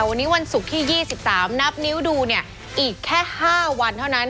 วันนี้วันศุกร์ที่๒๓นับนิ้วดูเนี่ยอีกแค่๕วันเท่านั้น